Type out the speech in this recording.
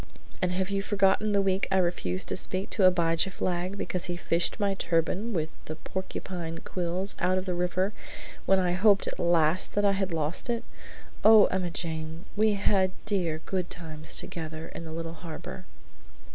"And have you forgotten the week I refused to speak to Abijah Flagg because he fished my turban with the porcupine quills out of the river when I hoped at last that I had lost it! Oh, Emma Jane, we had dear good times together in the little harbor.'"